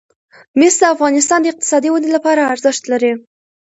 مس د افغانستان د اقتصادي ودې لپاره ارزښت لري.